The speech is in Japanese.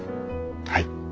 はい。